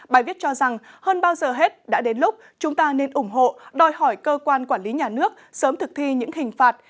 bài viết cho rằng hơn bao giờ hết đã đến lúc chúng ta nên ủng hộ đòi hỏi cơ quan quản lý nhà nước sớm thực thi những hình phạt